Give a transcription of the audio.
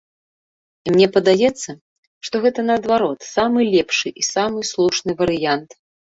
І мне падаецца, што гэта наадварот самы лепшы і самы слушны варыянт.